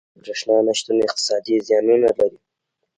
• د برېښنا نه شتون اقتصادي زیانونه لري.